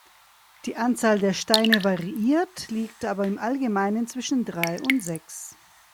Die Anzahl der Steine variiert, liegt aber im Allgemeinen zwischen drei und sechs.